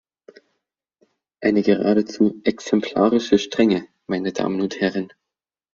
Eine geradezu "exemplarische Strenge" , meine Damen und Herren.